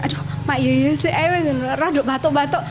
aduh mak yaya sih ayo radu batu batu